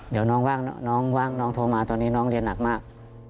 เดี๋ยวน้องว่างน้องโทรมาตอนนี้น้องเรียนหนักมาก